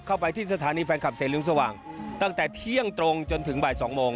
ไปที่สถานีแฟนคลับเสริงสว่างตั้งแต่เที่ยงตรงจนถึงบ่ายสองโมง